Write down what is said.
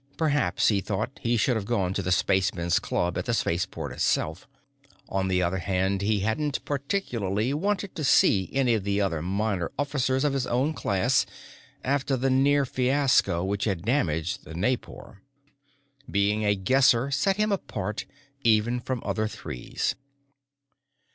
Perhaps, he thought, he should have gone to the Spacemen's Club at the spaceport itself. On the other hand, he hadn't particularly wanted to see any of the other minor officers of his own class after the near fiasco which had damaged the Naipor. Being a Guesser set him apart, even from other Threes.